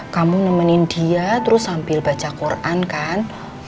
kamu nemenin dia terus sambil baca quran kan